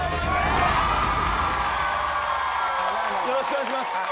よろしくお願いします。